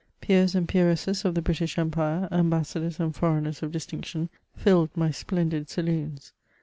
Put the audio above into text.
Peers and peeresses of the Britbh empire, ambassadors and foreigners of distinction, filled my splendid ssJoons.